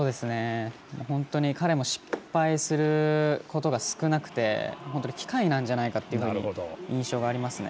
本当に、彼も失敗することが少なくて本当に機械なんじゃないかというような印象がありますね。